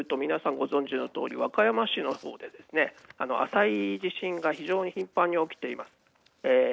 ご存じのとおり、和歌山市のほうで浅い地震が非常に頻繁に起きています。